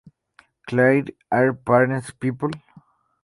Clair "Are Parents People?